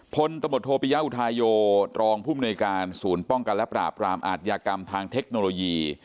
ตมโทปิยาอุทาโยรองภูมิหน่วยการศูนย์ป้องกันและปราบรามอาทยากรรมทางเทคโนโลยี